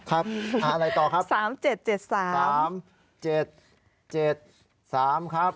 ครับอะไรต่อครับ๓๗๗๓ครับ๓๗๗๓ครับ